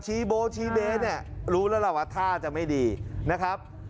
ชี้โบ้ชี้เบ๊รู้แล้วว่าท่าจะไม่ดีนะครับ